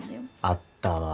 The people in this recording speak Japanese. あったわ。